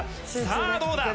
さあどうだ！